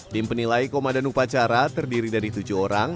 tim penilai komandan upacara terdiri dari tujuh orang